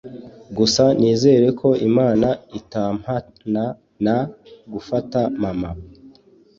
Gusa nizere ko Imana itampana na ... gufata mama.